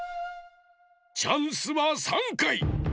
チャンスは３かい。